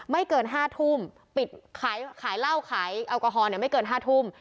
เกิน๕ทุ่มปิดขายเหล้าขายแอลกอฮอลไม่เกิน๕ทุ่ม